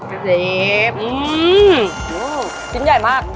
อื้มมมชิ้นใหญ่มาก